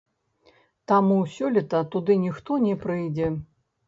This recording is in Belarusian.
Таму сёлета туды ніхто не прыйдзе.